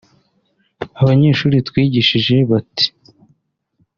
Abanyeshuri twigishije bati